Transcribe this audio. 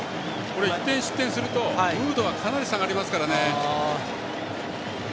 １点失点するとムードはかなり下がりますからね。